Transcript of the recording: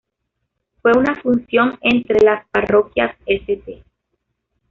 Fue una fusión entre las parroquias St.